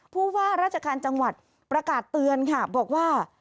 ผู้ว่าราชการจังหวัดประกาศเตือนค่ะบอกว่า